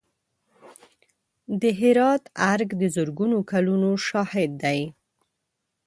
د هرات ارګ د زرګونو کلونو شاهد دی.